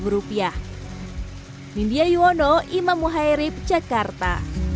dua puluh rupiah india yowono imam muhairib jakarta